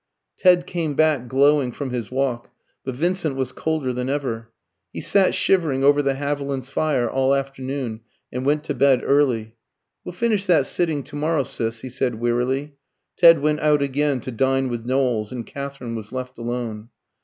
Ted came back glowing from his walk; but Vincent was colder than ever. He sat shivering over the Havilands' fire all afternoon, and went to bed early. "We'll finish that sitting to morrow, Sis," he said, wearily. Ted went out again to dine with Knowles, and Katherine was left alone.